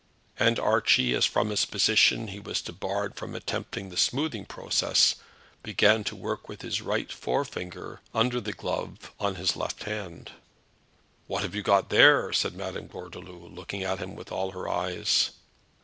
And Archie, as from his position he was debarred from attempting the smoothing process, began to work with his right forefinger under the glove on his left hand. "What have you got there?" said Madame Gordeloup, looking at him with all her eyes.